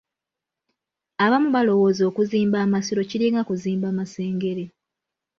Abamu balowooza okuzimba amasiro kiringa kuzimba Masengere.